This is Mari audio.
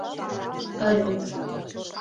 Ыле.